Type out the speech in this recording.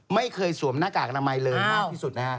ไม่เคยสวมหน้ากากอนามัยเลยมากที่สุดนะฮะ